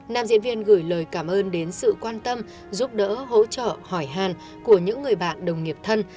nam diễn viên gửi lời cảm ơn đến sự quan tâm giúp đỡ hỗ trợ hỏi hàn của những người bạn đồng nghiệp thân